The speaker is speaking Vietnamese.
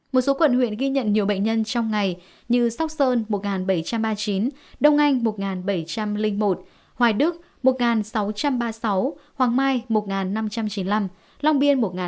một số quận huyện ghi nhận nhiều bệnh nhân trong ngày như sóc sơn một bảy trăm ba mươi chín đông anh một nghìn bảy trăm linh một hoài đức một sáu trăm ba mươi sáu hoàng mai một năm trăm chín mươi năm long biên một trăm ba mươi